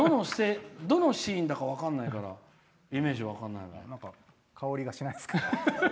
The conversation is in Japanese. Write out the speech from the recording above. どのシーンだか分からないから香りがしないですか？